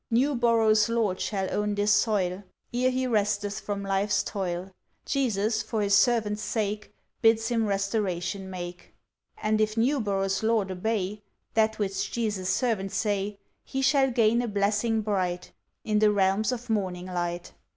Newborough's Lord shall own this soil; Ere he resteth from life's toil, Jesus, for His servants' sake, Bids him restoration make. And if Newborough's Lord obey, That which Jesu's servants say, He shall gain a blessing bright, In the realms of Morning Light.